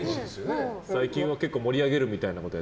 最近は結構、盛り上げるみたいなことは。